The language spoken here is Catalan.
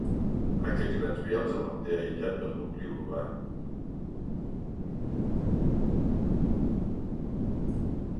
Aquests grans vials el manté aïllat del nucli urbà.